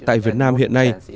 tại việt nam hiện nay